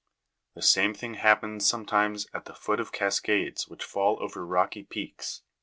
The same thing happens sometimes at the foot of cascades which fall over rocky peaks (Jig.